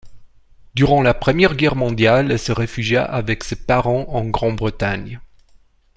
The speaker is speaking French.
Durant la Première Guerre mondiale elle se réfugia avec ses parents en Grande-Bretagne.